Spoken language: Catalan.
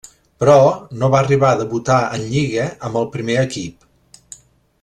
Però, no va arribar a debutar en Lliga amb el primer equip.